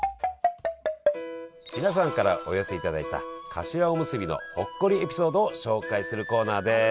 皆さんからお寄せいただいたかしわおむすびのほっこりエピソードを紹介するコーナーです！